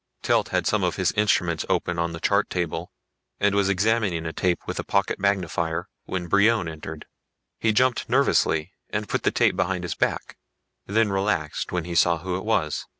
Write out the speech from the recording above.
Telt had some of his instruments open on the chart table and was examining a tape with a pocket magnifier when Brion entered. He jumped nervously and put the tape behind his back, then relaxed when he saw who it was.